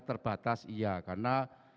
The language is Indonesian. terbatas iya karena